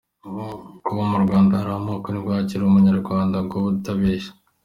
Kuba mu Rwanda hari amoko ntiwabihakana uri umunyarwanda ngo ube utabeshya.